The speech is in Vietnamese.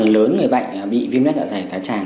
lớn người bệnh bị viêm lết dạ dày thái tràng